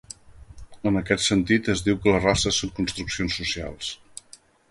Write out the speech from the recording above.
En aquest sentit, es diu que les races són construccions socials.